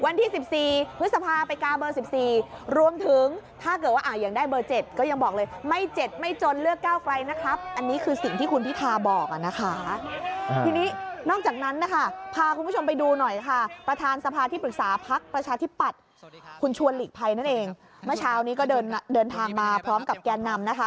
เมื่อเช้านี้ก็เดินทางมาพร้อมกับแก่นนำนะคะ